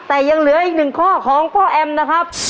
เป็นข้อของพ่อแอมนะครับ